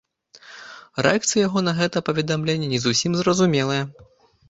Рэакцыя яго на гэта паведамленне не зусім зразумелая.